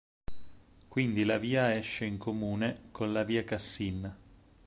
Quindi la via esce in comune con la via Cassin.